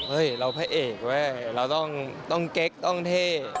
เราพระเอกเว้ยเราต้องเก๊กต้องเท่